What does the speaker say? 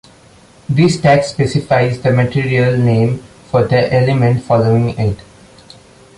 This tag specifies the material name for the element following it.